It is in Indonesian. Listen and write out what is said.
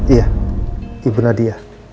iya ibu nadia